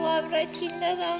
aku gak mau berani cinta sama kamu